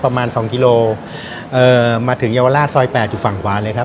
ประมาณสองกิโลเอ่อมาถึงเยาวราชซอยแปดอยู่ฝั่งขวาเลยครับ